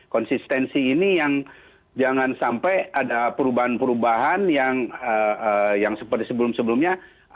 konsistensi ini yang jangan sampai ada perubahan perubahan yang seperti sebelum sebelumnya